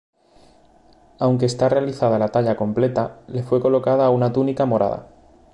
Aunque está realizada la talla completa le fue colocada una túnica morada.